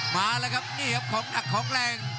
มาแล้วครับนี่ครับของหนักของแรง